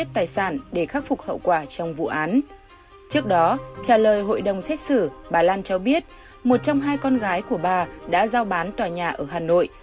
trước đó trả lời hội đồng xét xử bà lan cho biết một trong hai con gái của bà đã giao bán tòa nhà ở hà nội